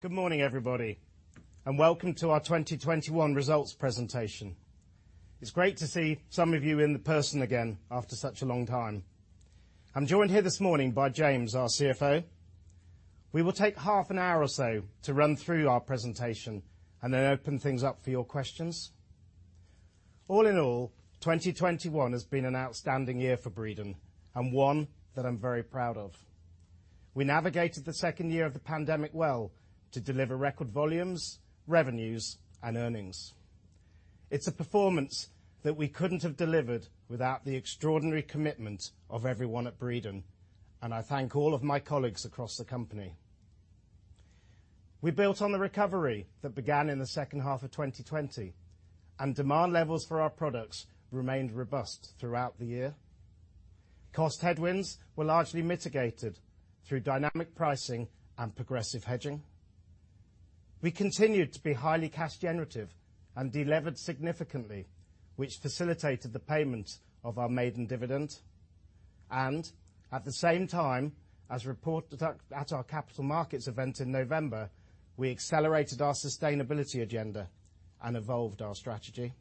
Good morning, everybody, and welcome to our 2021 results presentation. It's great to see some of you in person again after such a long time. I'm joined here this morning by James, our CFO. We will take half an hour or so to run through our presentation and then open things up for your questions. All in all, 2021 has been an outstanding year for Breedon and one that I'm very proud of. We navigated the second year of the pandemic well to deliver record volumes, revenues, and earnings. It's a performance that we couldn't have delivered without the extraordinary commitment of everyone at Breedon, and I thank all of my colleagues across the company. We built on the recovery that began in the second half of 2020, and demand levels for our products remained robust throughout the year. Cost headwinds were largely mitigated through dynamic pricing and progressive hedging. We continued to be highly cash generative and delevered significantly, which facilitated the payment of our maiden dividend. At the same time, as reported at our Capital Markets Event in November, we accelerated our sustainability agenda and evolved our strategy.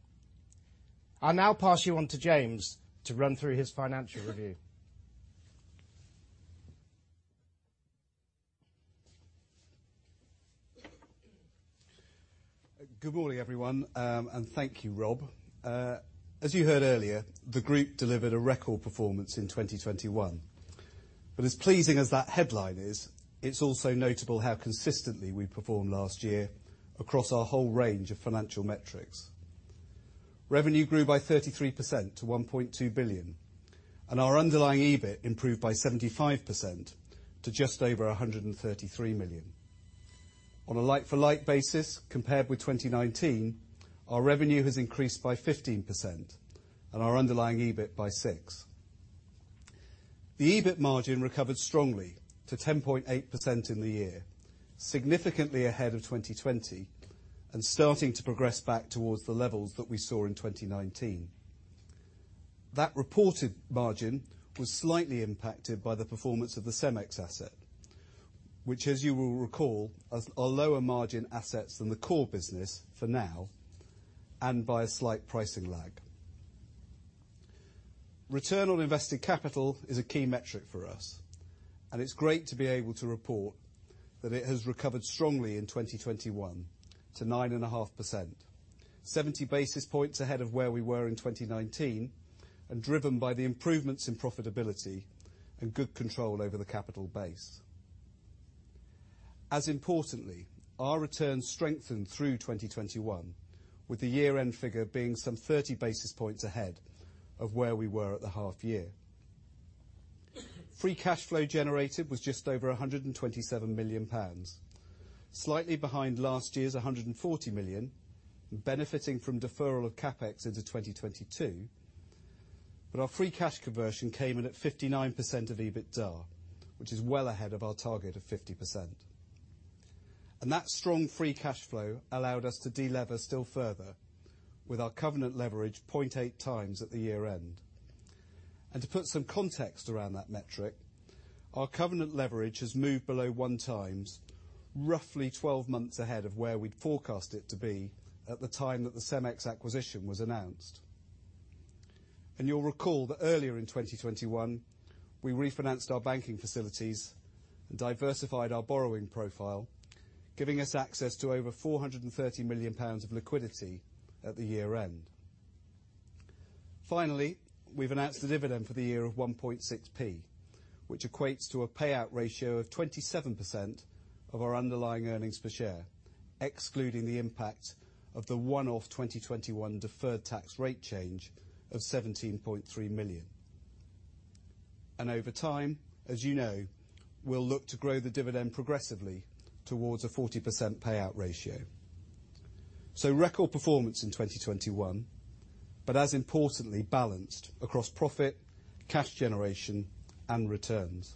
I'll now pass you on to James to run through his financial review. Good morning, everyone, and thank you, Rob. As you heard earlier, the group delivered a record performance in 2021. As pleasing as that headline is, it's also notable how consistently we performed last year across our whole range of financial metrics. Revenue grew by 33% to 1.2 billion, and our underlying EBIT improved by 75% to just over 133 million. On a like-for-like basis compared with 2019, our revenue has increased by 15% and our underlying EBIT by 60%. The EBIT margin recovered strongly to 10.8% in the year, significantly ahead of 2020, and starting to progress back towards the levels that we saw in 2019. That reported margin was slightly impacted by the performance of the CEMEX asset, which, as you will recall, is a lower margin assets than the core business for now, and by a slight pricing lag. Return on invested capital is a key metric for us, and it's great to be able to report that it has recovered strongly in 2021 to 9.5%, 70 basis points ahead of where we were in 2019, and driven by the improvements in profitability and good control over the capital base. As importantly, our returns strengthened through 2021, with the year-end figure being some 30 basis points ahead of where we were at the half year. Free cash flow generated was just over 127 million pounds, slightly behind last year's 140 million, benefiting from deferral of CapEx into 2022. Our free cash conversion came in at 59% of EBITDA, which is well ahead of our target of 50%. That strong free cash flow allowed us to delever still further with our covenant leverage 0.8 times at the year-end. To put some context around that metric, our covenant leverage has moved below one times, roughly 12-months ahead of where we'd forecast it to be at the time that the CEMEX acquisition was announced. You'll recall that earlier in 2021, we refinanced our banking facilities and diversified our borrowing profile, giving us access to over 430 million pounds of liquidity at the year-end. Finally, we've announced a dividend for the year of 1.6p, which equates to a payout ratio of 27% of our underlying earnings per share, excluding the impact of the one-off 2021 deferred tax rate change of 17.3 million. Over time, as you know, we'll look to grow the dividend progressively towards a 40% payout ratio. Record performance in 2021, but as importantly, balanced across profit, cash generation, and returns.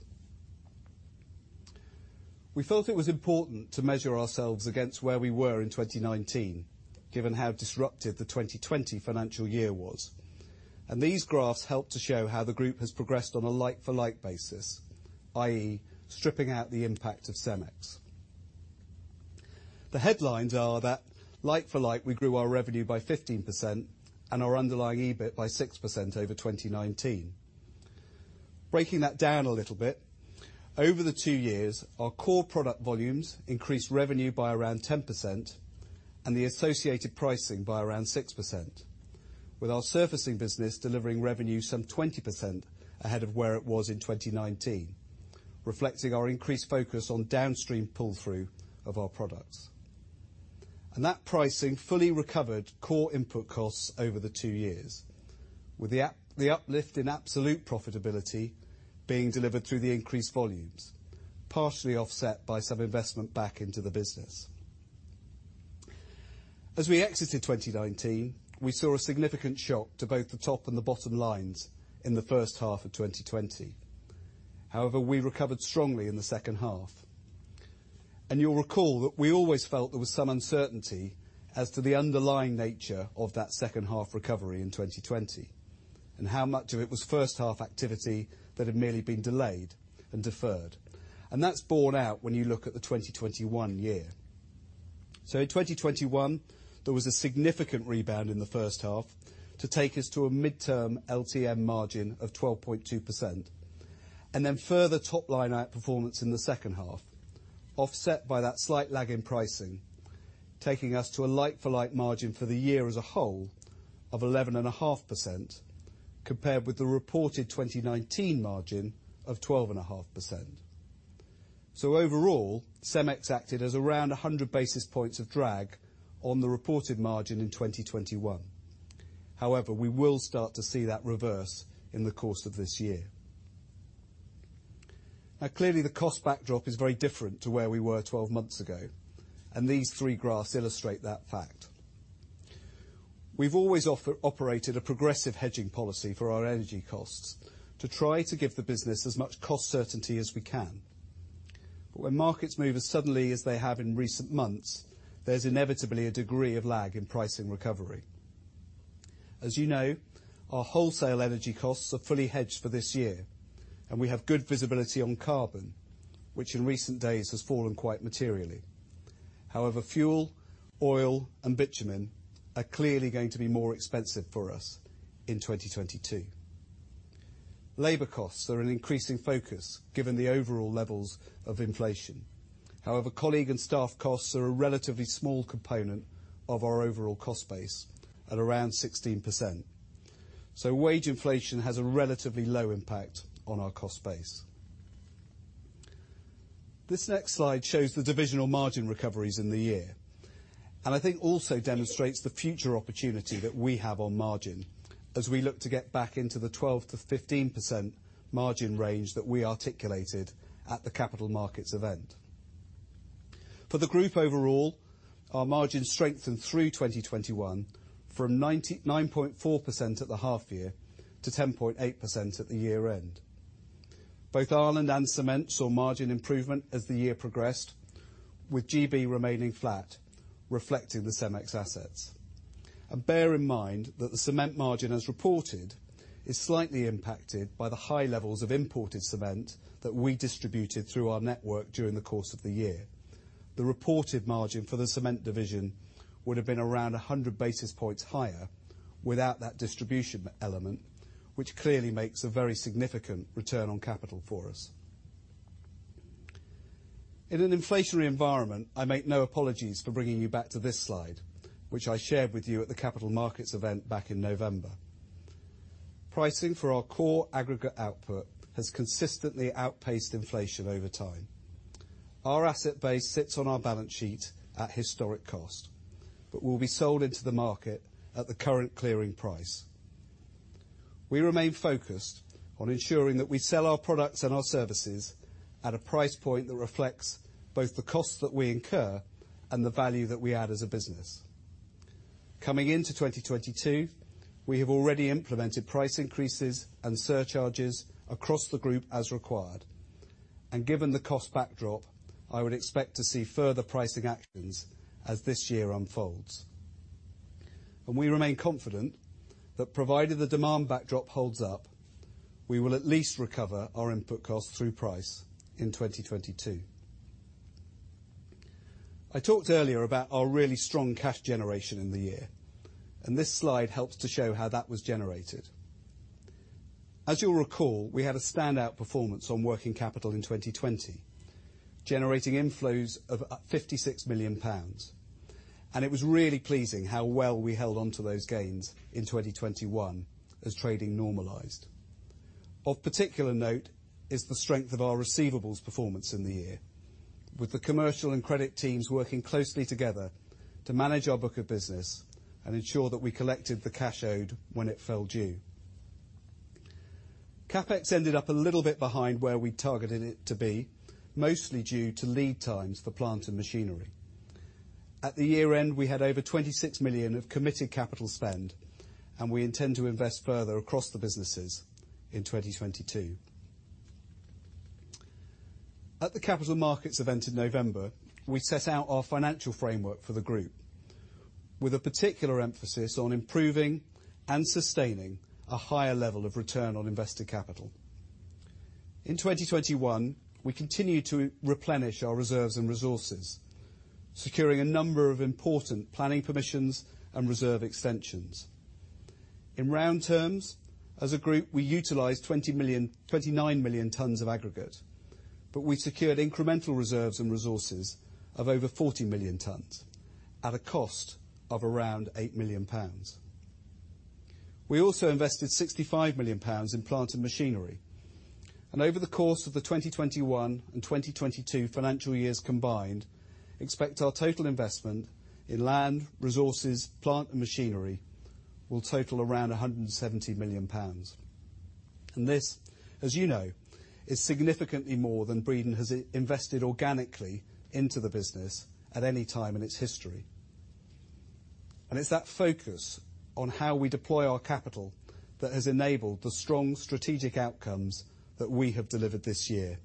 We felt it was important to measure ourselves against where we were in 2019, given how disruptive the 2020 financial year was. These graphs help to show how the group has progressed on a like-for-like basis, i.e., stripping out the impact of CEMEX. The headlines are that like-for-like, we grew our revenue by 15% and our underlying EBIT by 6% over 2019. Breaking that down a little bit, over the two years, our core product volumes increased revenue by around 10% and the associated pricing by around 6%, with our surfacing business delivering revenue some 20% ahead of where it was in 2019, reflecting our increased focus on downstream pull-through of our products. That pricing fully recovered core input costs over the two years, with the uplift in absolute profitability being delivered through the increased volumes, partially offset by some investment back into the business. As we exited 2019, we saw a significant shock to both the top and the bottom lines in the first half of 2020. However, we recovered strongly in the second half. You'll recall that we always felt there was some uncertainty as to the underlying nature of that second half recovery in 2020. How much of it was first half activity that had merely been delayed and deferred. That's borne out when you look at the 2021 year. In 2021, there was a significant rebound in the first half to take us to a midterm LTM margin of 12.2%. Then further top-line outperformance in the second half, offset by that slight lag in pricing, taking us to a like-for-like margin for the year as a whole of 11.5% compared with the reported 2019 margin of 12.5%. Overall, CEMEX acted as around 100 basis points of drag on the reported margin in 2021. However, we will start to see that reverse in the course of this year. Now clearly, the cost backdrop is very different to where we were 12-months ago, and these three graphs illustrate that fact. We've always operated a progressive hedging policy for our energy costs to try to give the business as much cost certainty as we can. When markets move as suddenly as they have in recent months, there's inevitably a degree of lag in pricing recovery. As you know, our wholesale energy costs are fully hedged for this year, and we have good visibility on carbon, which in recent days has fallen quite materially. However, fuel, oil and bitumen are clearly going to be more expensive for us in 2022. Labor costs are an increasing focus given the overall levels of inflation. However, colleague and staff costs are a relatively small component of our overall cost base at around 16%. Wage inflation has a relatively low impact on our cost base. This next slide shows the divisional margin recoveries in the year, and I think also demonstrates the future opportunity that we have on margin as we look to get back into the 12%-15% margin range that we articulated at the Capital Markets Event. For the group overall, our margin strengthened through 2021 from 9.4% at the half year to 10.8% at the year-end. Both Ireland and Cement saw margin improvement as the year progressed, with GB remaining flat, reflecting the CEMEX assets. Bear in mind that the cement margin as reported is slightly impacted by the high levels of imported cement that we distributed through our network during the course of the year. The reported margin for the cement division would have been around 100 basis points higher without that distribution element, which clearly makes a very significant return on capital for us. In an inflationary environment, I make no apologies for bringing you back to this slide, which I shared with you at the Capital Markets Event back in November. Pricing for our core aggregate output has consistently outpaced inflation over time. Our asset base sits on our balance sheet at historic cost, but will be sold into the market at the current clearing price. We remain focused on ensuring that we sell our products and our services at a price point that reflects both the costs that we incur and the value that we add as a business. Coming into 2022, we have already implemented price increases and surcharges across the group as required. Given the cost backdrop, I would expect to see further pricing actions as this year unfolds. We remain confident that provided the demand backdrop holds up, we will at least recover our input costs through price in 2022. I talked earlier about our really strong cash generation in the year, and this slide helps to show how that was generated. As you'll recall, we had a standout performance on working capital in 2020, generating inflows of 56 million pounds. It was really pleasing how well we held on to those gains in 2021 as trading normalized. Of particular note is the strength of our receivables performance in the year. With the commercial and credit teams working closely together to manage our book of business and ensure that we collected the cash owed when it fell due. CapEx ended up a little bit behind where we targeted it to be, mostly due to lead times for plant and machinery. At the year-end, we had over 26 million of committed capital spend, and we intend to invest further across the businesses in 2022. At the Capital Markets Event in November, we set out our financial framework for the group with a particular emphasis on improving and sustaining a higher level of return on investor capital. In 2021, we continued to replenish our reserves and resources, securing a number of important planning permissions and reserve extensions. In round terms, as a group, we utilized 29 million tons of aggregate, but we secured incremental reserves and resources of over 40 million tons at a cost of around 8 million pounds. We also invested 65 million pounds in plant and machinery, and over the course of the 2021 and 2022 financial years combined, expect our total investment in land, resources, plant and machinery will total around 170 million pounds. This, as you know, is significantly more than Breedon has invested organically into the business at any time in its history. It's that focus on how we deploy our capital that has enabled the strong strategic outcomes that we have delivered this year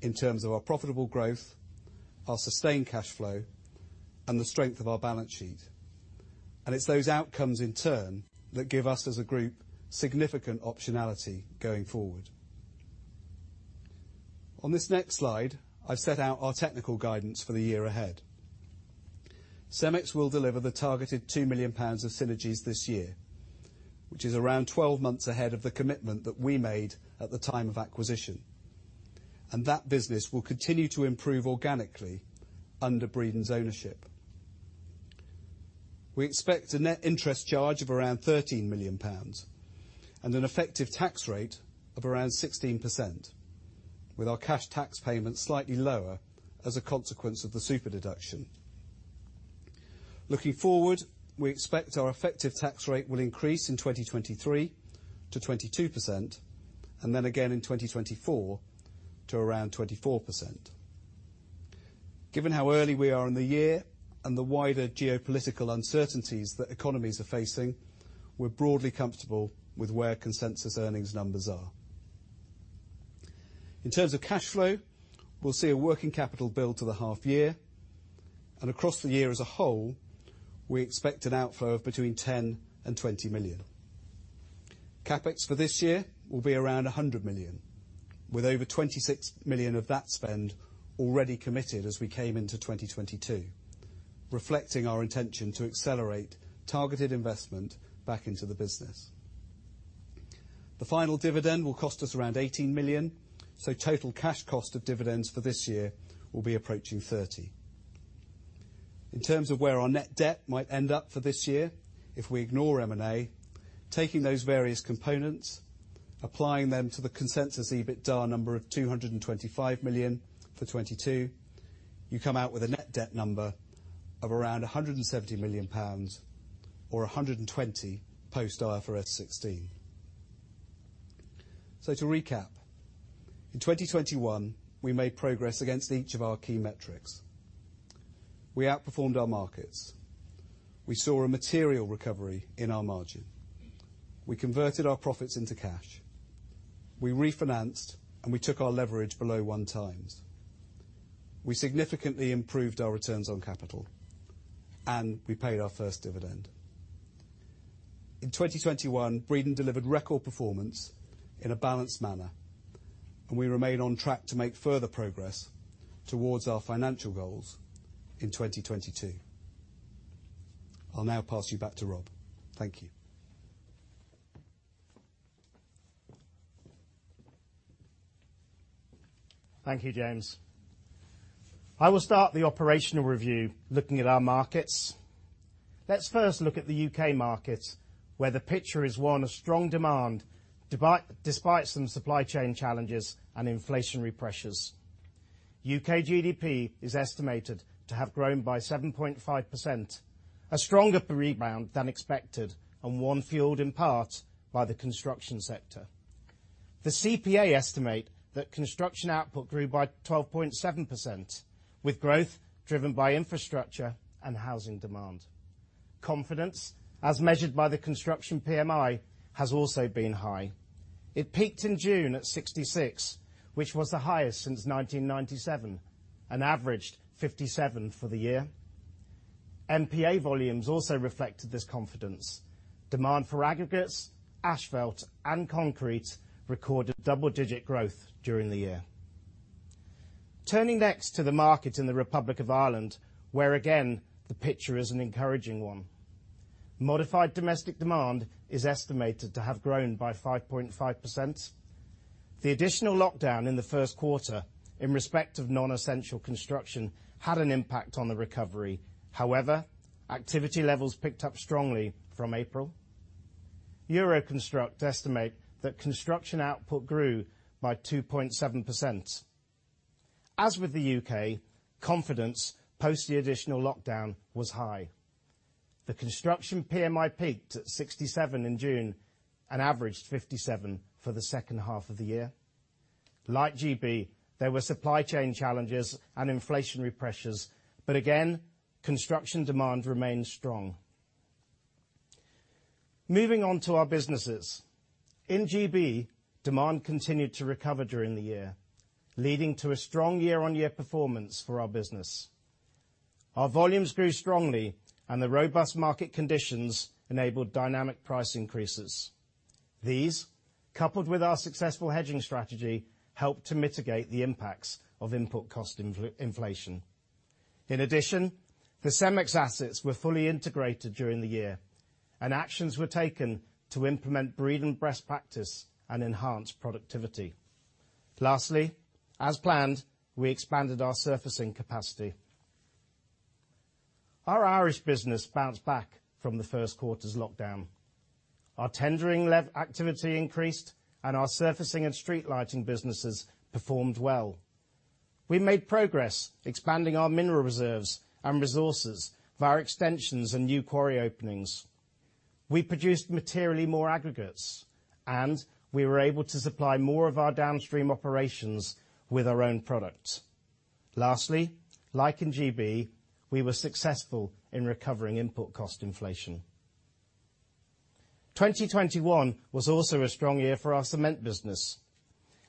in terms of our profitable growth, our sustained cash flow and the strength of our balance sheet. It's those outcomes in turn that give us as a group significant optionality going forward. On this next slide, I've set out our technical guidance for the year ahead. CEMEX will deliver the targeted 2 million pounds of synergies this year, which is around 12-months ahead of the commitment that we made at the time of acquisition. That business will continue to improve organically under Breedon's ownership. We expect a net interest charge of around 13 million pounds and an effective tax rate of around 16%, with our cash tax payments slightly lower as a consequence of the super deduction. Looking forward, we expect our effective tax rate will increase in 2023 to 22% and then again in 2024 to around 24%. Given how early we are in the year and the wider geopolitical uncertainties that economies are facing, we're broadly comfortable with where consensus earnings numbers are. In terms of cash flow, we'll see a working capital build to the half year, and across the year as a whole, we expect an outflow of between 10 million and 20 million. CapEx for this year will be around 100 million, with over 26 million of that spend already committed as we came into 2022, reflecting our intention to accelerate targeted investment back into the business. The final dividend will cost us around 18 million, so total cash cost of dividends for this year will be approaching 30 million. In terms of where our net debt might end up for this year, if we ignore M&A, taking those various components, applying them to the consensus EBITDA number of 225 million for 2022, you come out with a net debt number of around 170 million pounds or 120 post IFRS 16. To recap, in 2021, we made progress against each of our key metrics. We outperformed our markets. We saw a material recovery in our margin. We converted our profits into cash. We refinanced, and we took our leverage below one times. We significantly improved our returns on capital. We paid our first dividend. In 2021, Breedon delivered record performance in a balanced manner, and we remain on track to make further progress towards our financial goals in 2022. I'll now pass you back to Rob. Thank you. Thank you, James. I will start the operational review looking at our markets. Let's first look at the U.K. market, where the picture is one of strong demand, despite some supply chain challenges and inflationary pressures. U.K. GDP is estimated to have grown by 7.5%, a stronger rebound than expected and one fueled in part by the construction sector. The CPA estimate that construction output grew by 12.7%, with growth driven by infrastructure and housing demand. Confidence, as measured by the Construction PMI, has also been high. It peaked in June at 66, which was the highest since 1997, and averaged 57 for the year. MPA volumes also reflected this confidence. Demand for aggregates, asphalt, and concrete recorded double-digit growth during the year. Turning next to the market in the Republic of Ireland, where again the picture is an encouraging one. Modified domestic demand is estimated to have grown by 5.5%. The additional lockdown in the first quarter in respect of non-essential construction had an impact on the recovery. However, activity levels picked up strongly from April. Euroconstruct estimate that construction output grew by 2.7%. As with the U.K., confidence post the additional lockdown was high. The Construction PMI peaked at 67 in June and averaged 57 for the second half of the year. Like GB, there were supply chain challenges and inflationary pressures, but again, construction demand remained strong. Moving on to our businesses. In GB, demand continued to recover during the year, leading to a strong year-on-year performance for our business. Our volumes grew strongly, and the robust market conditions enabled dynamic price increases. These, coupled with our successful hedging strategy, helped to mitigate the impacts of input cost inflation. In addition, the CEMEX assets were fully integrated during the year, and actions were taken to implement Breedon best practice and enhance productivity. Lastly, as planned, we expanded our surfacing capacity. Our Irish business bounced back from the first quarter's lockdown. Our tendering activity increased, and our surfacing and street lighting businesses performed well. We made progress expanding our mineral reserves and resources via extensions and new quarry openings. We produced materially more aggregates, and we were able to supply more of our downstream operations with our own product. Lastly, like in GB, we were successful in recovering input cost inflation. 2021 was also a strong year for our cement business.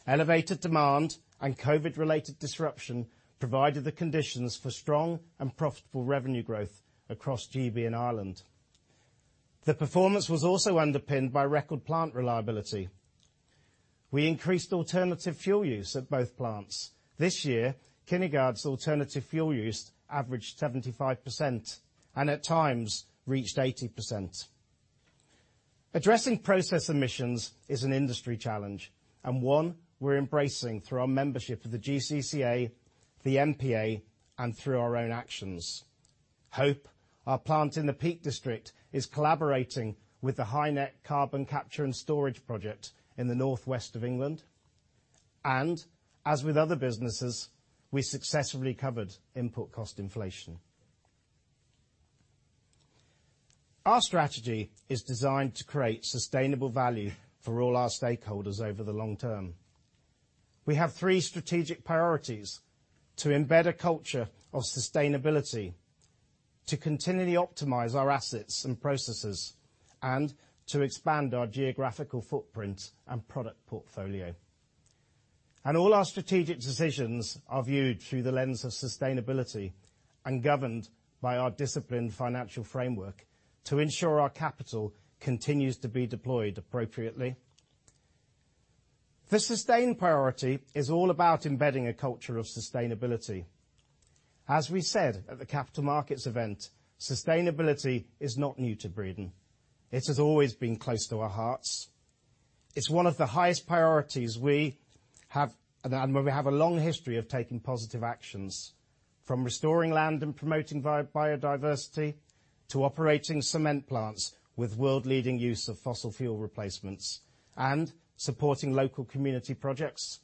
Elevated demand and COVID-related disruption provided the conditions for strong and profitable revenue growth across GB and Ireland. The performance was also underpinned by record plant reliability. We increased alternative fuel use at both plants. This year, Kinnegad's alternative fuel use averaged 75% and at times reached 80%. Addressing process emissions is an industry challenge, and one we're embracing through our membership of the GCCA, the MPA, and through our own actions. Hope, our plant in the Peak District, is collaborating with the HyNet Carbon Capture and Storage project in the northwest of England. As with other businesses, we successfully covered input cost inflation. Our strategy is designed to create sustainable value for all our stakeholders over the long term. We have three strategic priorities, to embed a culture of sustainability, to continually optimize our assets and processes, and to expand our geographical footprint and product portfolio. All our strategic decisions are viewed through the lens of sustainability and governed by our disciplined financial framework to ensure our capital continues to be deployed appropriately. The sustainability priority is all about embedding a culture of sustainability. As we said at the Capital Markets Event, sustainability is not new to Breedon. It has always been close to our hearts. It's one of the highest priorities we have, and where we have a long history of taking positive actions, from restoring land and promoting biodiversity, to operating cement plants with world-leading use of fossil fuel replacements and supporting local community projects.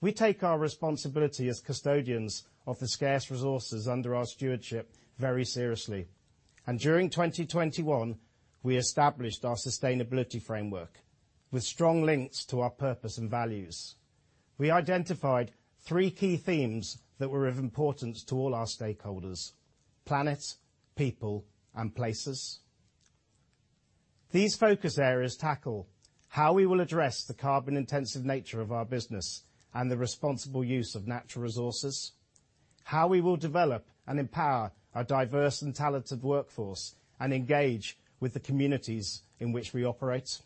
We take our responsibility as custodians of the scarce resources under our stewardship very seriously. During 2021, we established our sustainability framework with strong links to our purpose and values. We identified three key themes that were of importance to all our stakeholders, planet, people, and places. These focus areas tackle how we will address the carbon-intensive nature of our business and the responsible use of natural resources, how we will develop and empower our diverse and talented workforce and engage with the communities in which we operate.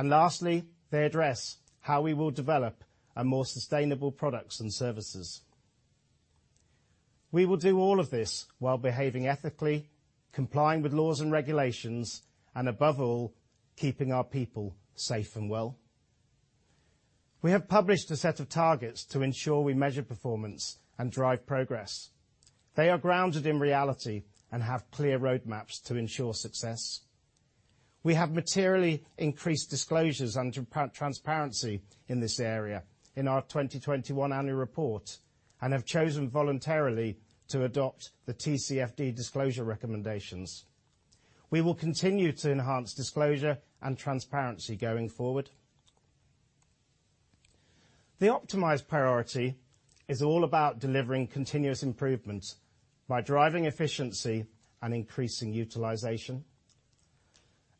Lastly, they address how we will develop our more sustainable products and services. We will do all of this while behaving ethically, complying with laws and regulations, and above all, keeping our people safe and well. We have published a set of targets to ensure we measure performance and drive progress. They are grounded in reality and have clear roadmaps to ensure success. We have materially increased disclosures and transparency in this area in our 2021 annual report and have chosen voluntarily to adopt the TCFD disclosure recommendations. We will continue to enhance disclosure and transparency going forward. The optimization priority is all about delivering continuous improvement by driving efficiency and increasing utilization.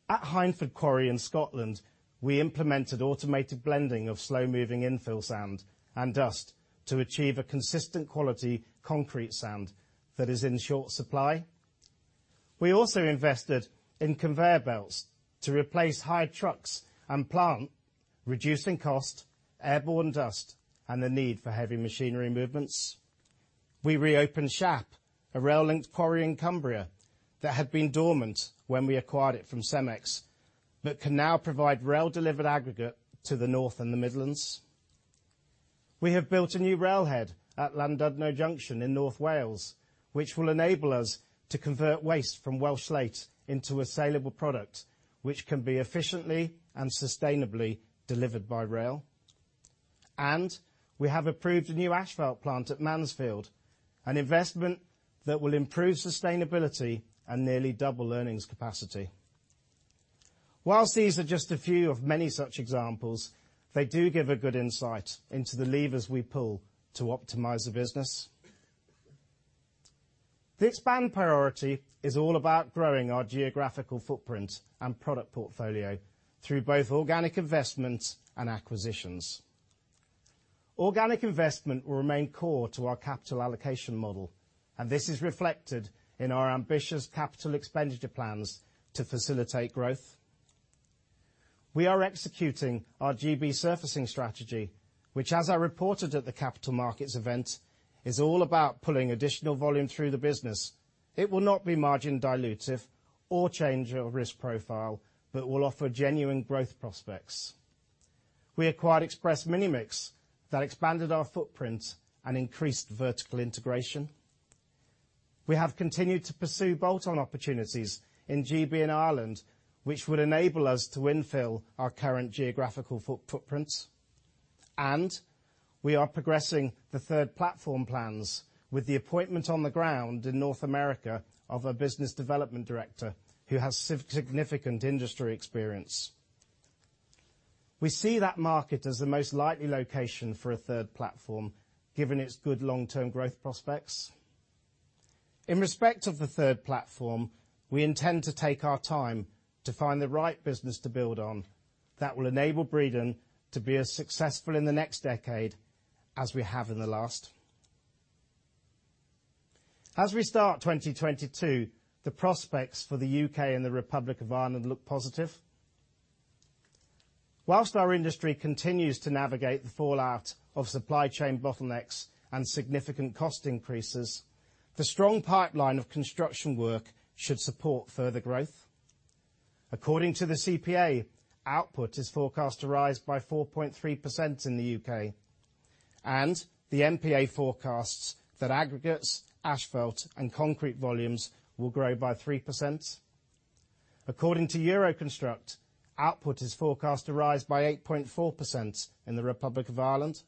At Hindford Quarry in Scotland, we implemented automated blending of slow-moving infill sand and dust to achieve a consistent quality concrete sand that is in short supply. We also invested in conveyor belts to replace hired trucks and plant, reducing cost, airborne dust, and the need for heavy machinery movements. We reopened Shap, a rail-linked quarry in Cumbria that had been dormant when we acquired it from CEMEX, but can now provide rail-delivered aggregate to the North and the Midlands. We have built a new rail head at Llandudno Junction in North Wales, which will enable us to convert waste from Welsh slate into a saleable product, which can be efficiently and sustainably delivered by rail. We have approved a new asphalt plant at Mansfield, an investment that will improve sustainability and nearly double earnings capacity. While these are just a few of many such examples, they do give a good insight into the levers we pull to optimize the business. The expand priority is all about growing our geographical footprint and product portfolio through both organic investments and acquisitions. Organic investment will remain core to our capital allocation model, and this is reflected in our ambitious capital expenditure plans to facilitate growth. We are executing our GB surfacing strategy, which as I reported at the Capital Markets Event, is all about pulling additional volume through the business. It will not be margin dilutive or change our risk profile, but will offer genuine growth prospects. We acquired Express Minimix that expanded our footprint and increased vertical integration. We have continued to pursue bolt-on opportunities in GB and Ireland, which would enable us to infill our current geographical footprints. We are progressing the third platform plans with the appointment on the ground in North America of a business development director who has significant industry experience. We see that market as the most likely location for a third platform, given its good long-term growth prospects. In respect of the third platform, we intend to take our time to find the right business to build on that will enable Breedon to be as successful in the next decade as we have in the last. As we start 2022, the prospects for the U.K. and the Republic of Ireland look positive. While our industry continues to navigate the fallout of supply chain bottlenecks and significant cost increases, the strong pipeline of construction work should support further growth. According to the CPA, output is forecast to rise by 4.3% in the U.K., and the NPA forecasts that aggregates, asphalt and concrete volumes will grow by 3%. According to Euroconstruct, output is forecast to rise by 8.4% in the Republic of Ireland.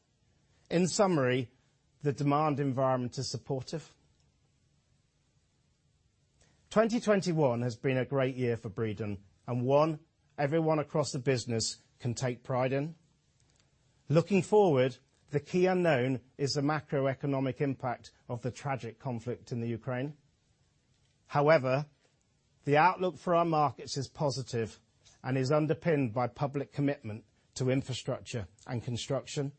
In summary, the demand environment is supportive. 2021 has been a great year for Breedon and one everyone across the business can take pride in. Looking forward, the key unknown is the macroeconomic impact of the tragic conflict in the Ukraine. However, the outlook for our markets is positive and is underpinned by public commitment to infrastructure and construction.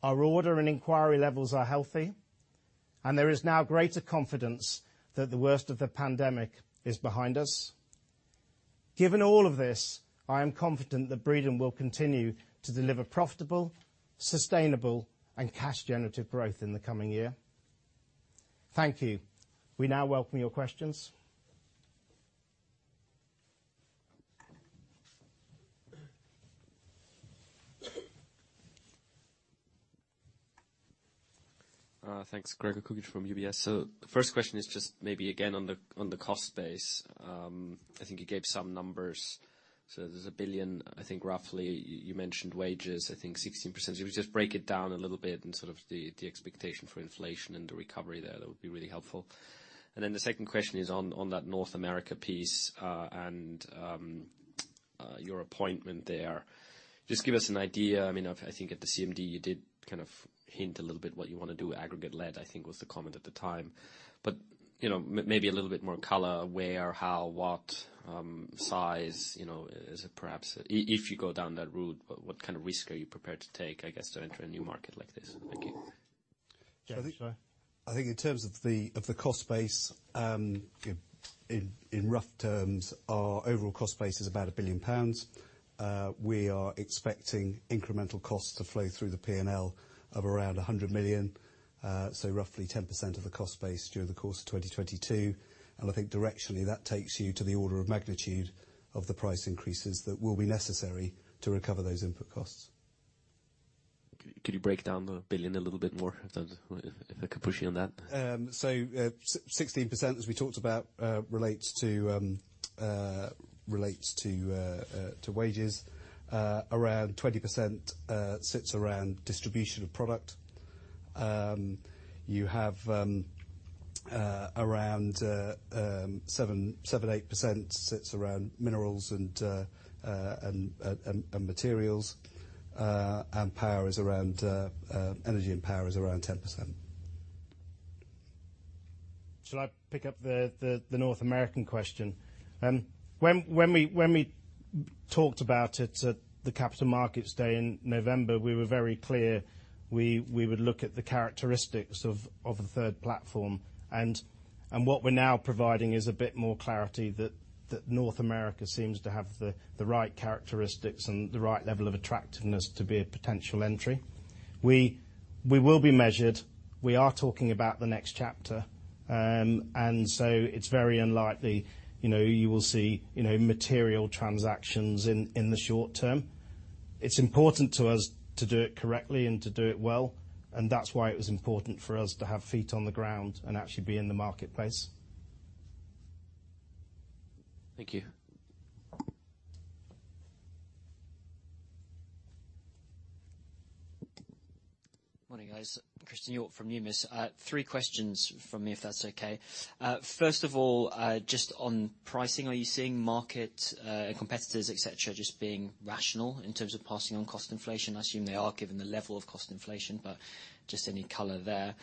Our order and inquiry levels are healthy, and there is now greater confidence that the worst of the pandemic is behind us. Given all of this, I am confident that Breedon will continue to deliver profitable, sustainable and cash generative growth in the coming year. Thank you. We now welcome your questions. Thanks. Gregor Kuglitsch from UBS. The first question is just maybe again on the cost base. I think you gave some numbers. There's 1 billion, I think roughly, you mentioned wages, I think 16%. If you just break it down a little bit and sort of the expectation for inflation and the recovery there, that would be really helpful. Then the second question is on that North America piece and your appointment there. Just give us an idea. I mean, I think at the CMD, you did kind of hint a little bit what you wanna do, aggregate led, I think was the comment at the time. You know, maybe a little bit more color where, how, what, size, you know, is it perhaps if you go down that route, what kind of risk are you prepared to take, I guess, to enter a new market like this? Thank you. James, do you wanna. I think in terms of the cost base, in rough terms, our overall cost base is about 1 billion pounds. We are expecting incremental costs to flow through the PNL of around 100 million, so roughly 10% of the cost base during the course of 2022. I think directionally, that takes you to the order of magnitude of the price increases that will be necessary to recover those input costs. Could you break down the billion a little bit more if that's, if I could push you on that? 16%, as we talked about, relates to wages. Around 20% sits around distribution of product. You have around 7-8% sits around minerals and materials. Energy and power is around 10%. Shall I pick up the North American question? When we talked about it at the Capital Markets Day in November, we were very clear we would look at the characteristics of the third platform. What we're now providing is a bit more clarity that North America seems to have the right characteristics and the right level of attractiveness to be a potential entry. We will be measured. We are talking about the next chapter. It's very unlikely, you know, you will see, you know, material transactions in the short term. It's important to us to do it correctly and to do it well, and that's why it was important for us to have feet on the ground and actually be in the marketplace. Thank you. Morning, guys. Christen Hjorth from Numis. Three questions from me, if that's okay. First of all, just on pricing, are you seeing market competitors, et cetera, just being rational in terms of passing on cost inflation? I assume they are given the level of cost inflation, but just any color there.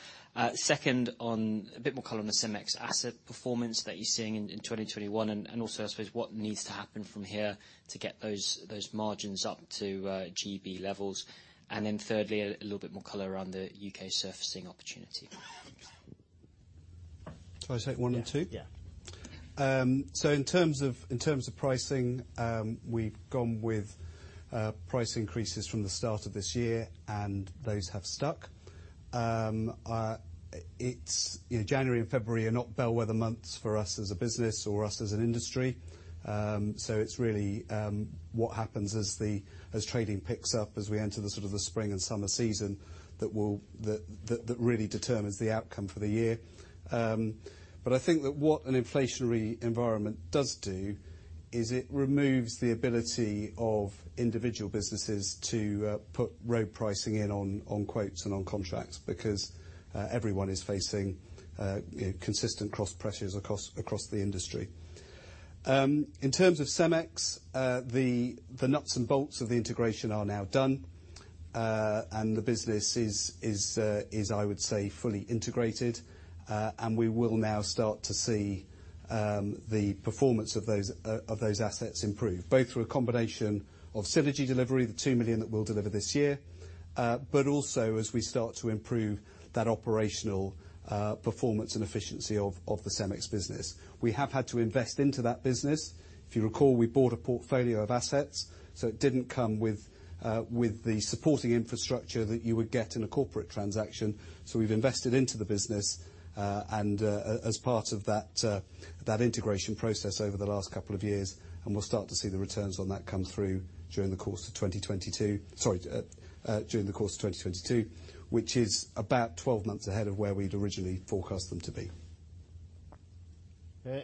Second, on a bit more color on the CEMEX asset performance that you're seeing in 2021, and also, I suppose, what needs to happen from here to get those margins up to GB levels. Thirdly, a little bit more color around the U.K. surfacing opportunity. Shall I take one and two? Yeah. In terms of pricing, we've gone with price increases from the start of this year, and those have stuck. It's, you know, January and February are not bellwether months for us as a business or as an industry. It's really what happens as trading picks up as we enter sort of the spring and summer season that really determines the outcome for the year. I think that what an inflationary environment does do is it removes the ability of individual businesses to put ad hoc pricing in on quotes and on contracts because everyone is facing consistent cost pressures across the industry. In terms of CEMEX, the nuts and bolts of the integration are now done. The business is I would say fully integrated. We will now start to see the performance of those assets improve, both through a combination of synergy delivery, the 2 million that we'll deliver this year, but also as we start to improve that operational performance and efficiency of the CEMEX business. We have had to invest into that business. If you recall, we bought a portfolio of assets, so it didn't come with the supporting infrastructure that you would get in a corporate transaction. We've invested into the business, and as part of that integration process over the last couple of years, and we'll start to see the returns on that come through during the course of 2022, which is about 12-months ahead of where we'd originally forecast them to be.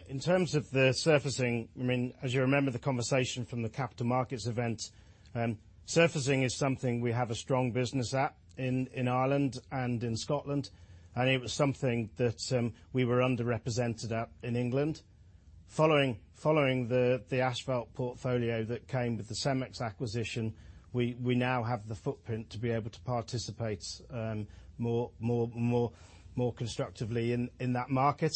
In terms of the surfacing, I mean, as you remember the conversation from the Capital Markets Event, surfacing is something we have a strong business at in Ireland and in Scotland, and it was something that we were underrepresented at in England. Following the asphalt portfolio that came with the CEMEX acquisition, we now have the footprint to be able to participate more constructively in that market.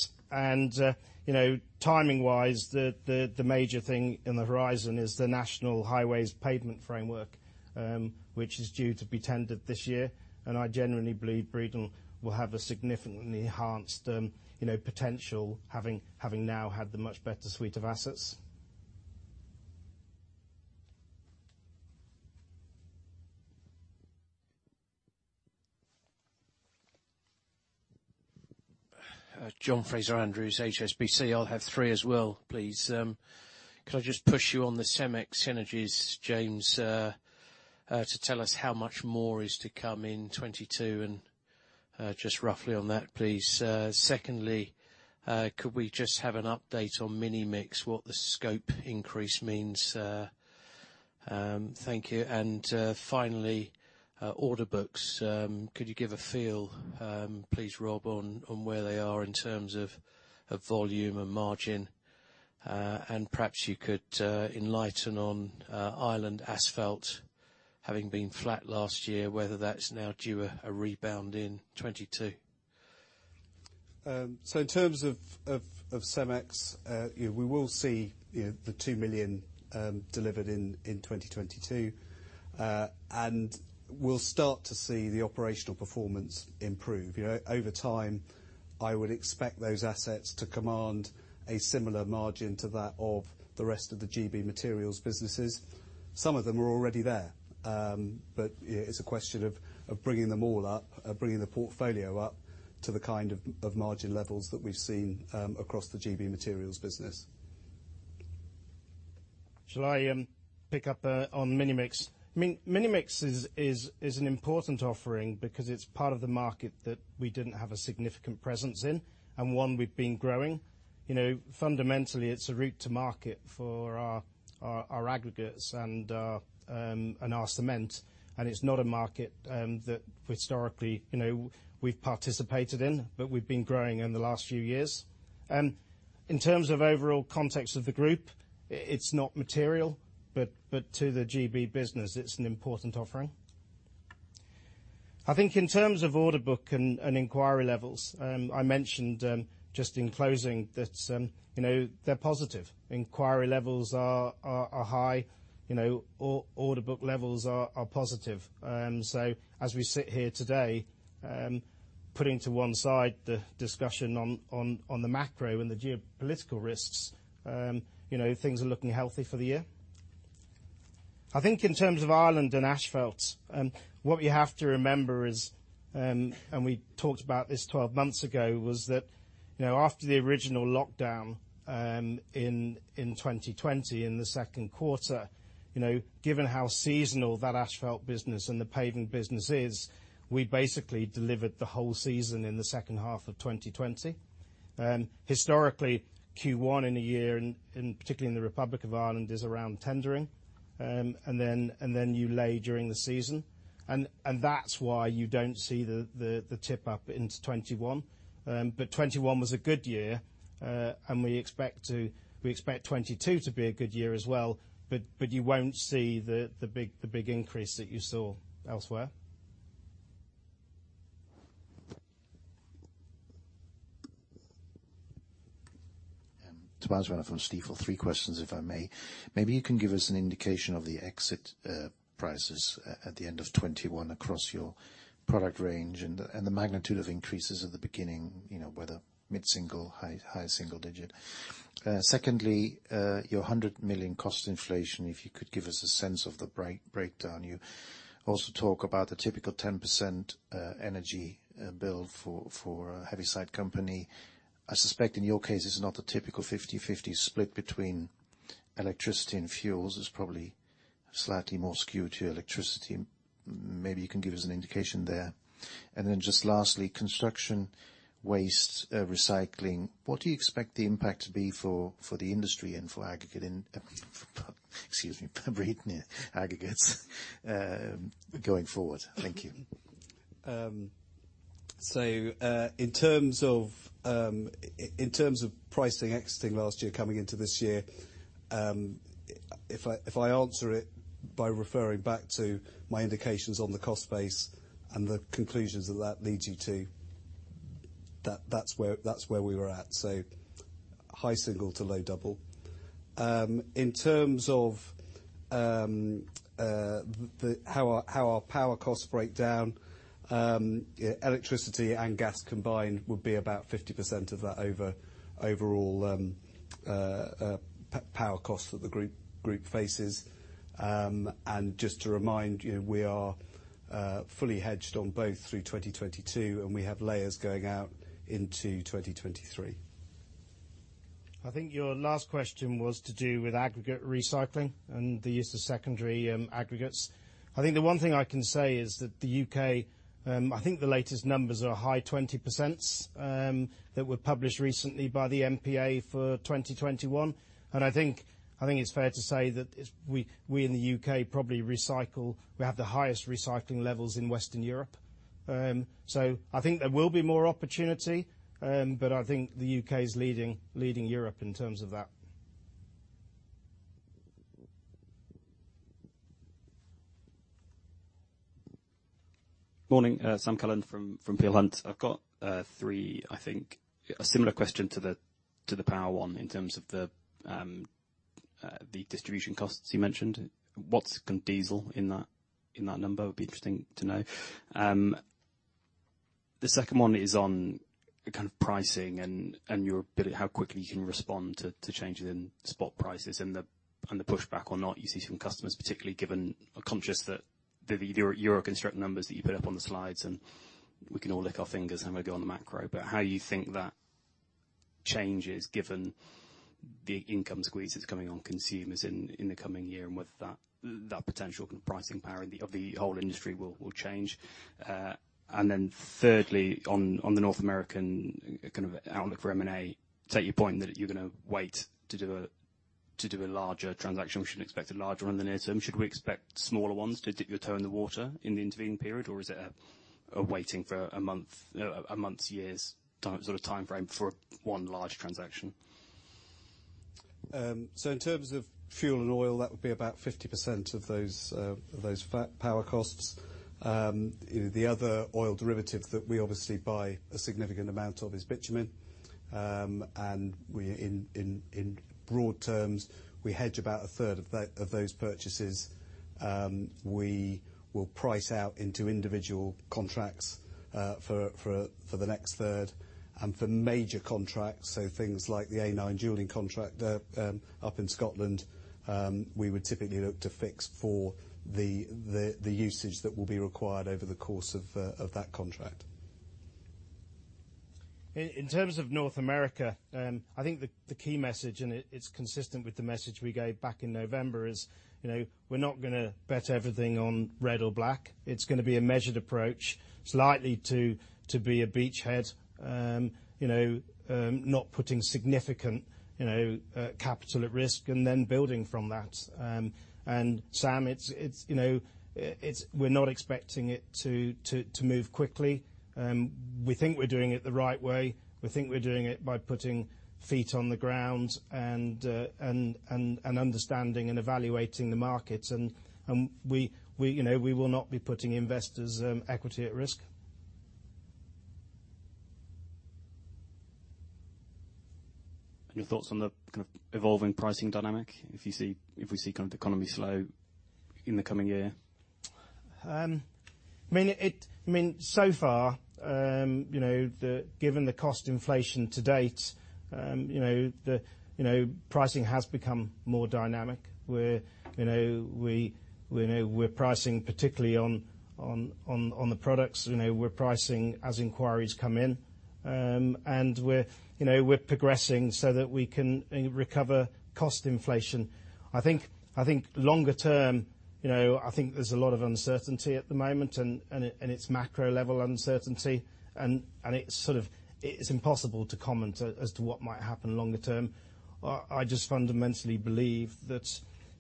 You know, timing wise, the major thing on the horizon is the National Highways Pavement Delivery Framework, which is due to be tendered this year. I generally believe Breedon will have a significantly enhanced, you know, potential having now had the much better suite of assets. John Fraser-Andrews, HSBC. I'll have three as well, please. Could I just push you on the CEMEX synergies, James, to tell us how much more is to come in 2022 and just roughly on that, please. Second, could we just have an update on MiniMix, what the scope increase means? Thank you. Finally, order books. Could you give a feel, please, Rob, on where they are in terms of volume and margin? Perhaps you could enlighten on Ireland Asphalt having been flat last year, whether that's now due a rebound in 2022. In terms of CEMEX, we will see the 2 million delivered in 2022. We'll start to see the operational performance improve. You know, over time, I would expect those assets to command a similar margin to that of the rest of the GB materials businesses. Some of them are already there, but yeah, it's a question of bringing them all up, bringing the portfolio up to the kind of margin levels that we've seen across the GB materials business. Shall I pick up on MiniMix? MiniMix is an important offering because it's part of the market that we didn't have a significant presence in and one we've been growing. You know, fundamentally, it's a route to market for our aggregates and our cement, and it's not a market that historically, you know, we've participated in, but we've been growing in the last few years. In terms of overall context of the group, it's not material, but to the GB business, it's an important offering. I think in terms of order book and inquiry levels, I mentioned just in closing that, you know, they're positive. Inquiry levels are high, you know, order book levels are positive. As we sit here today, putting to one side the discussion on the macro and the geopolitical risks, you know, things are looking healthy for the year. I think in terms of Ireland and asphalt, what you have to remember is, and we talked about this 12-months ago, was that, you know, after the original lockdown, in 2020 in the second quarter, you know, given how seasonal that asphalt business and the paving business is, we basically delivered the whole season in the second half of 2020. Historically, Q1 in a year, and particularly in the Republic of Ireland, is around tendering. Then you lay during the season. That's why you don't see the pick up into 2021. 2021 was a good year, and we expect 2022 to be a good year as well. You won't see the big increase that you saw elsewhere. Tobias Woerner from Stifel. Three questions, if I may. Maybe you can give us an indication of the exit prices at the end of 2021 across your product range and the magnitude of increases at the beginning, you know, whether mid-single, high single digit. Secondly, your 100 million cost inflation, if you could give us a sense of the breakdown. You also talk about the typical 10% energy bill for a heavy-side company. I suspect in your case, it's not the typical 50/50 split between electricity and fuels. It's probably slightly more skewed to electricity. Maybe you can give us an indication there. Just lastly, construction waste recycling. What do you expect the impact to be for the industry and for aggregate and for, Excuse me, for reading aggregates, going forward. Thank you. In terms of pricing exiting last year coming into this year, if I answer it by referring back to my indications on the cost base and the conclusions that leads you to, that's where we were at, high single- to low double. In terms of how our power costs break down, electricity and gas combined would be about 50% of that overall power costs that the group faces. Just to remind you, we are fully hedged on both through 2022, and we have layers going out into 2023. I think your last question was to do with aggregate recycling and the use of secondary, aggregates. I think the one thing I can say is that the U.K., I think the latest numbers are high 20%s, that were published recently by the MPA for 2021. I think it's fair to say that we in the U.K. probably have the highest recycling levels in Western Europe. I think there will be more opportunity, but I think the U.K. is leading Europe in terms of that. Morning. Sam Cullen from Peel Hunt. I've got three, I think. A similar question to the power one in terms of the distribution costs you mentioned. What's diesel in that number would be interesting to know. The second one is on kind of pricing and your ability, how quickly you can respond to changes in spot prices and the pushback on what you see from customers, particularly given I'm conscious that the Euroconstruct numbers that you put up on the slides, and we can all stick our fingers and we go on the macro. But how you think that changes given the income squeeze that's coming on consumers in the coming year, and whether that potential pricing power of the whole industry will change. Thirdly, on the North American kind of outlook for M&A, take your point that you're gonna wait to do a larger transaction. We shouldn't expect a larger in the near term. Should we expect smaller ones to dip your toe in the water in the intervening period, or is it waiting for a month or a year's time, sort of timeframe for one large transaction? In terms of fuel and oil, that would be about 50% of those power costs. The other oil derivative that we obviously buy a significant amount of is bitumen. In broad terms, we hedge about 1/3 of those purchases. We will price out into individual contracts for the next 1/3. For major contracts, so things like the A9 dualling contract up in Scotland, we would typically look to fix for the usage that will be required over the course of that contract. In terms of North America, I think the key message, and it's consistent with the message we gave back in November, is, you know, we're not gonna bet everything on red or black. It's gonna be a measured approach. It's likely to be a beachhead, you know, not putting significant, you know, capital at risk and then building from that. And Sam, it's, you know, it's, we're not expecting it to move quickly. We think we're doing it the right way. We think we're doing it by putting feet on the ground and understanding and evaluating the markets. We, you know, we will not be putting investors' equity at risk. Any thoughts on the kind of evolving pricing dynamic, if you see, if we see kind of the economy slow in the coming year? So far, you know, given the cost inflation to date, you know, pricing has become more dynamic. We're, you know, we're pricing particularly on the products. You know, we're pricing as inquiries come in, and we're progressing so that we can recover cost inflation. I think longer term, you know, I think there's a lot of uncertainty at the moment, and it's macro level uncertainty. It's sort of impossible to comment as to what might happen longer term. I just fundamentally believe that,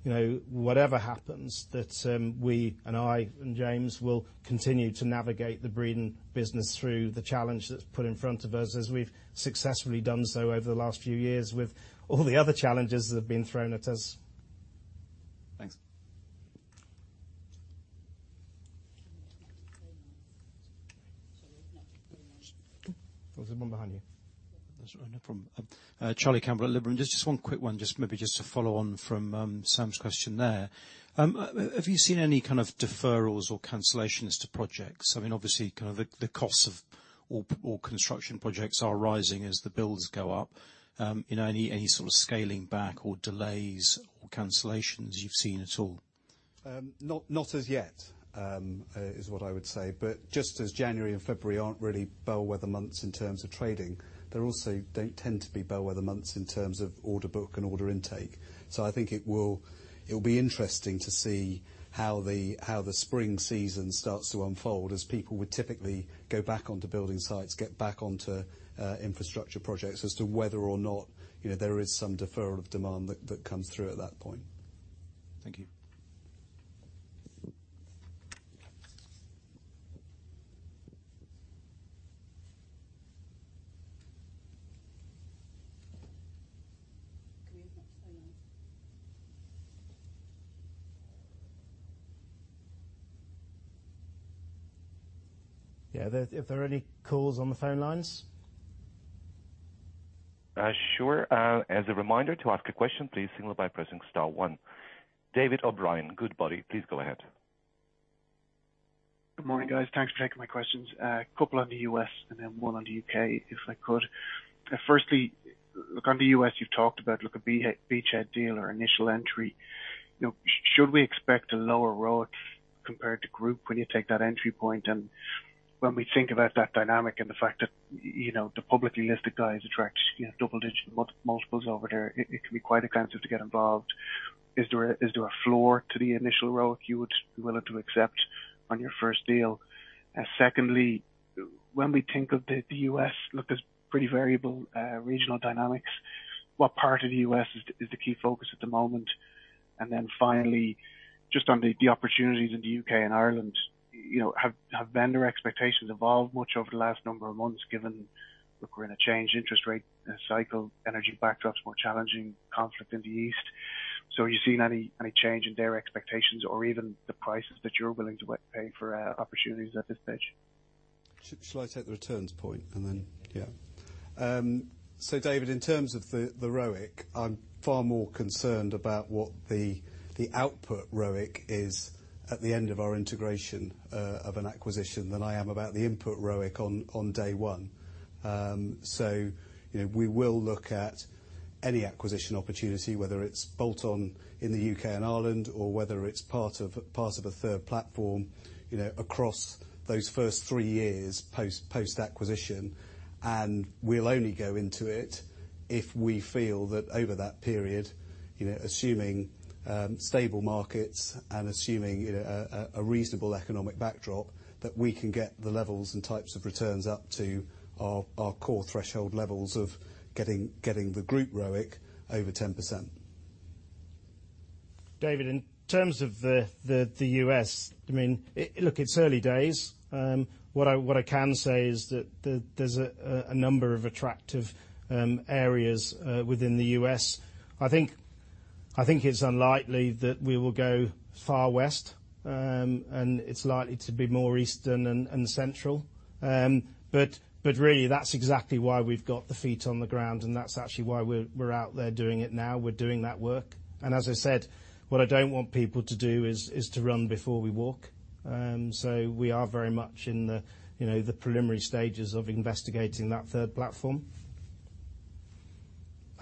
you know, whatever happens, that, we and I and James will continue to navigate the Breedon business through the challenge that's put in front of us, as we've successfully done so over the last few years with all the other challenges that have been thrown at us. Thanks. There's one behind you. That's all right. No problem. Charlie Campbell at Liberum. Just one quick one, just maybe just to follow on from Sam's question there. Have you seen any kind of deferrals or cancellations to projects? I mean, obviously, kind of the costs of all construction projects are rising as the builds go up. You know, any sort of scaling back or delays or cancellations you've seen at all? Not as yet is what I would say. Just as January and February aren't really bellwether months in terms of trading, they also don't tend to be bellwether months in terms of order book and order intake. I think it'll be interesting to see how the spring season starts to unfold as people would typically go back onto building sites, get back onto infrastructure projects as to whether or not, you know, there is some deferral of demand that comes through at that point. Thank you. Yeah. Are there any calls on the phone lines? Sure. As a reminder, to ask a question, please signal by pressing star one. David O'Brien, Goodbody, please go ahead. Good morning, guys. Thanks for taking my questions. A couple on the U.S. and then one on the U.K. if I could. Firstly, on the U.S., you've talked about, like, a beachhead deal or initial entry. You know, should we expect a lower ROIC compared to group when you take that entry point? And when we think about that dynamic and the fact that, you know, the publicly listed guys attract, you know, double-digit multiples over there, it can be quite expensive to get involved. Is there a floor to the initial ROIC you would be willing to accept on your first deal? And secondly, when we think of the U.S., look, there's pretty variable regional dynamics. What part of the U.S. is the key focus at the moment? Then finally, just on the opportunities in the U.K. and Ireland, you know, have vendor expectations evolved much over the last number of months, given that we're in a changing interest rate cycle, energy backdrop's more challenging, conflict in the East? Are you seeing any change in their expectations or even the prices that you're willing to pay for opportunities at this stage? Shall I take the returns point and then? Yeah. David, in terms of the ROIC, I'm far more concerned about what the output ROIC is at the end of our integration of an acquisition than I am about the input ROIC on day one. You know, we will look at any acquisition opportunity, whether it's bolt-on in the U.K. and Ireland or whether it's part of a third platform, you know, across those first three years post-acquisition. We'll only go into it if we feel that over that period, you know, assuming stable markets and assuming a reasonable economic backdrop, that we can get the levels and types of returns up to our core threshold levels of getting the group ROIC over 10%. David, in terms of the U.S., I mean, look, it's early days. What I can say is that there's a number of attractive areas within the U.S. I think it's unlikely that we will go far west, and it's likely to be more eastern and central. Really, that's exactly why we've got the feet on the ground, and that's actually why we're out there doing it now. We're doing that work. As I said, what I don't want people to do is to run before we walk. We are very much in the, you know, the preliminary stages of investigating that third platform.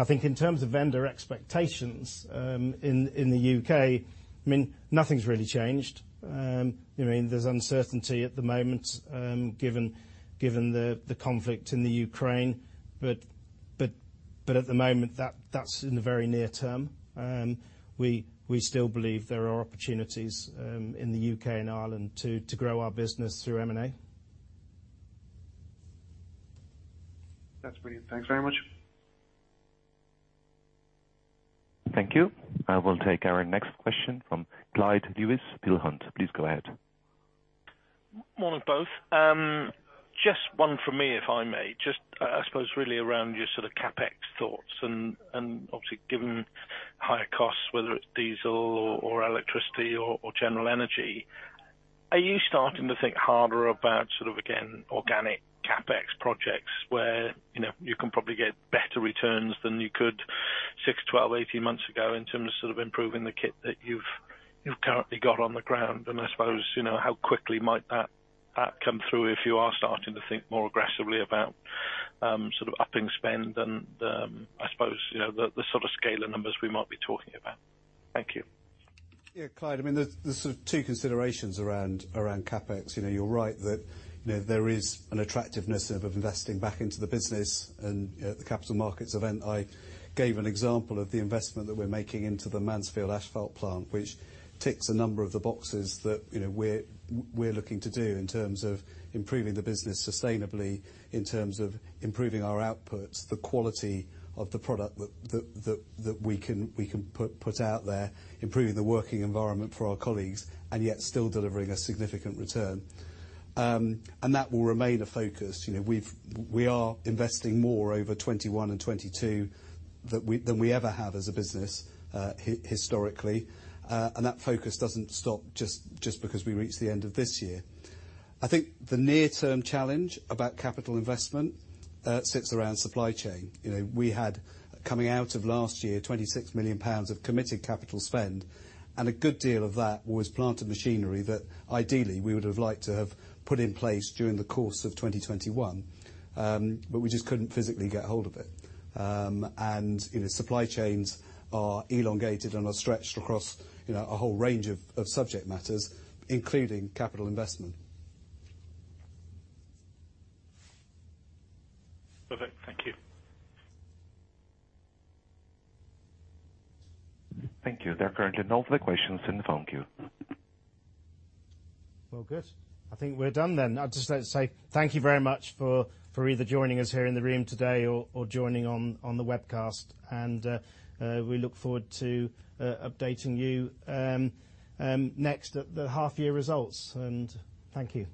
I think in terms of vendor expectations, in the U.K., I mean, nothing's really changed. I mean, there's uncertainty at the moment, given the conflict in the Ukraine. At the moment, that's in the very near term. We still believe there are opportunities in the U.K. and Ireland to grow our business through M&A. That's brilliant. Thanks very much. Thank you. I will take our next question from Clyde Lewis, Peel Hunt. Please go ahead. Morning, both. Just one from me, if I may. Just, I suppose really around your sort of CapEx thoughts and obviously given higher costs, whether it's diesel or electricity or general energy. Are you starting to think harder about sort of, again, organic CapEx projects where, you know, you can probably get better returns than you could six, 12, 18 months ago in terms of sort of improving the kit that you've currently got on the ground? I suppose, you know, how quickly might that come through if you are starting to think more aggressively about sort of upping spend and I suppose, you know, the sort of scale and numbers we might be talking about? Thank you. Yeah. Clyde, I mean, there's sort of two considerations around CapEx. You know, you're right that, you know, there is an attractiveness of investing back into the business. At the Capital Markets Event, I gave an example of the investment that we're making into the Mansfield Asphalt plant, which ticks a number of the boxes that, you know, we're looking to do in terms of improving the business sustainably, in terms of improving our outputs, the quality of the product that we can put out there, improving the working environment for our colleagues, and yet still delivering a significant return. That will remain a focus. You know, we are investing more over 2021 and 2022 than we ever have as a business, historically. That focus doesn't stop just because we reached the end of this year. I think the near-term challenge about capital investment sits around supply chain. You know, we had, coming out of last year, 26 million pounds of committed capital spend, and a good deal of that was plant and machinery that ideally we would have liked to have put in place during the course of 2021. We just couldn't physically get hold of it. You know, supply chains are elongated and are stretched across you know, a whole range of subject matters, including capital investment. Perfect. Thank you. Thank you. There are currently no further questions in the phone queue. Well, good. I think we're done then. I'd just like to say thank you very much for either joining us here in the room today or joining on the webcast. We look forward to updating you next at the half-year results. Thank you.